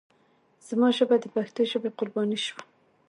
زما شپه د پښتو ژبې قرباني شوه.